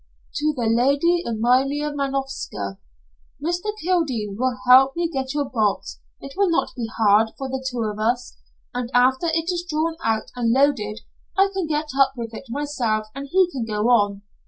"To the Lady Amalia Manovska: "Mr. Kildene will help me get your box. It will not be hard, for the two of us, and after it is drawn out and loaded I can get up with it myself and he can go on.